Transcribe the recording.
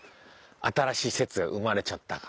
新しい説が生まれちゃったか。